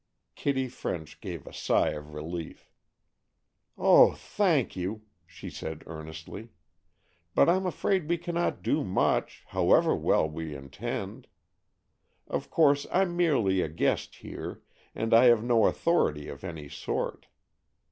Kitty French gave a sigh of relief. "Oh, thank you," she said earnestly; "but I'm afraid we cannot do much, however well we intend. Of course I'm merely a guest here, and I have no authority of any sort.